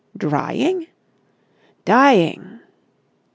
"Drying?" "Dying!"